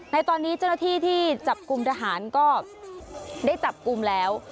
ในตอนนี้เจ้าหน้าที่ที่จับกลุ่มทหารก็ได้จับกลุ่มแล้ว